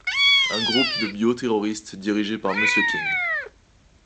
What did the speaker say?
Un groupe de bio-terroristes, dirigé par Mr King.